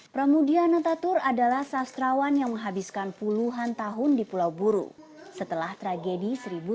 pramudia natatur adalah sastrawan yang menghabiskan puluhan tahun di pulau buru setelah tragedi seribu sembilan ratus sembilan puluh